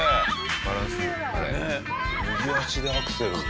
右足でアクセル。